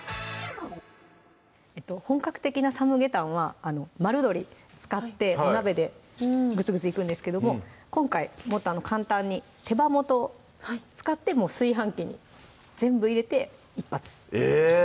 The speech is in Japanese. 本格的なサムゲタンは丸鶏使ってお鍋でぐつぐついくんですけども今回もっと簡単に手羽元を使ってもう炊飯器に全部入れて一発え！